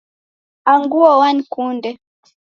Anguo wankunde.